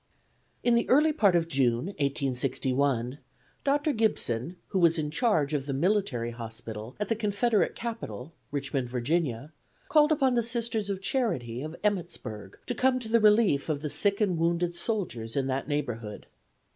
] In the early part of June, 1861, Dr. Gibson, who was in charge of the Military Hospital at the Confederate capital, Richmond, Va., called upon the Sisters of Charity of Emmittsburg to come to the relief of the sick and wounded soldiers in that neighborhood.